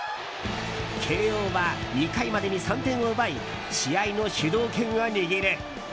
慶應は２回までに３点を奪い試合の主導権を握る。